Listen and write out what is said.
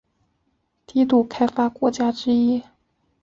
低度开发国家之一。